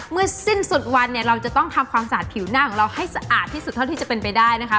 สิ้นสุดวันเนี่ยเราจะต้องทำความสะอาดผิวหน้าของเราให้สะอาดที่สุดเท่าที่จะเป็นไปได้นะคะ